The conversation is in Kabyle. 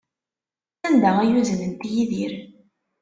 Sanda ay uznent Yidir?